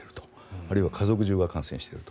あるいは家族中が感染していると。